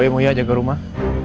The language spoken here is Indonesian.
boleh moya jaga rumah